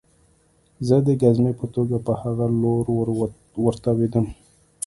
زه د ګزمې په توګه په هغه لور ورتاوېدم